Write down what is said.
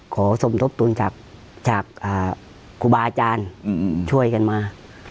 สมทบทุนจากครูบาอาจารย์ช่วยกันมา